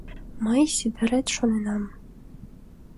Мый Сидырет шоненам.